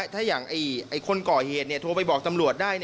ถ้าอย่างคนก่อเหตุโทรไปบอกตำรวจได้